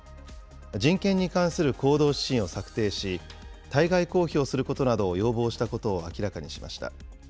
人権に関する行動指針を策定し、対外公表することなどを要望したことを明らかにしました。